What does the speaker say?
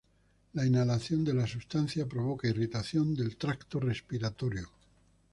La inhalación de la sustancia provoca irritación del tracto respiratorio.